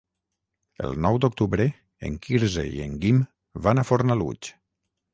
El nou d'octubre en Quirze i en Guim van a Fornalutx.